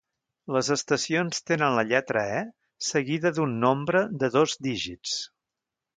Les estacions tenen la lletra "E" seguida d'un nombre de dos dígits.